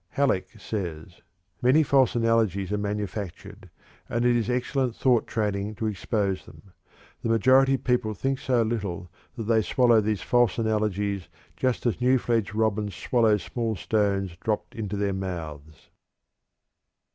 Halleck says: "Many false analogies are manufactured, and it is excellent thought training to expose them. The majority of people think so little that they swallow these false analogies just as newly fledged robins swallow small stones dropped into their mouths."